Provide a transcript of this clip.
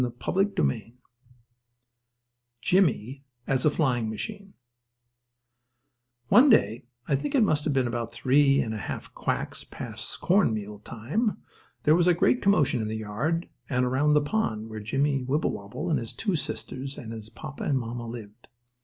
STORY VI JIMMIE AS A FLYING MACHINE One day, I think it must have been about three and a half quacks past cornmeal time, there was a great commotion in the yard, and around the pond where Jimmie Wibblewobble and his two sisters and his papa and mamma lived.